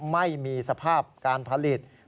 ไม่มีสภาพการผลิต